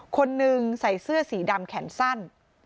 คนนึงใส่เสื้อสีดำแขนสั้น